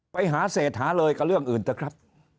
ไปหาเศษหาเลยกับเรื่องอื่นเถอะครับ